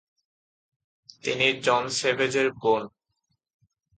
তিনি জন স্যাভেজের বোন।